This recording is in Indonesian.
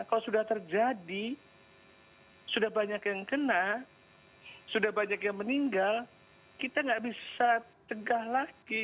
kalau sudah terjadi sudah banyak yang kena sudah banyak yang meninggal kita nggak bisa tegah lagi